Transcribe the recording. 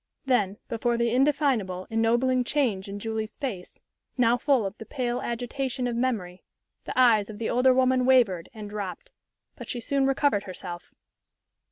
Then, before the indefinable, ennobling change in Julie's face, now full of the pale agitation of memory, the eyes of the older woman wavered and dropped. But she soon recovered herself.